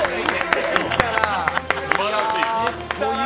すばらしい。